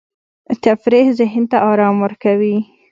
تفریح ذهن ته آرام ورکوي.